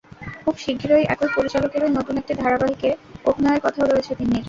খুব শিগগিরই একই পরিচালকেরই নতুন একটি ধারাবাহিকে অভিনয়ের কথাও রয়েছে তিন্নির।